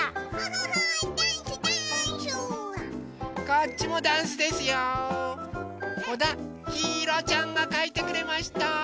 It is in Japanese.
こだひいろちゃんがかいてくれました。